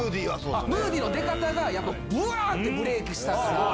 ムーディの出方がやっぱぶわーってブレークしたから。